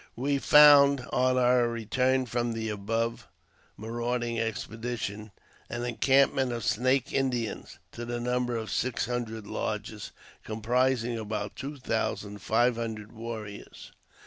We found, on our return from the above marauding expedi tion, an encampment of Snake Indians, to the number of six hundred lodges, comprising about two thousand five hundred warriors.